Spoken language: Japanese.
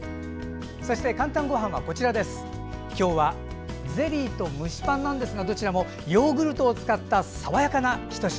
そして「かんたんごはん」は今日は、ゼリーと蒸しパンですがどちらもヨーグルトを使った爽やかなひと品。